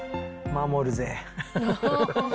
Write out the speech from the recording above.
守るぜ。